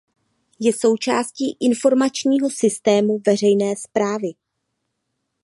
Je součástí Informačního systému veřejné správy.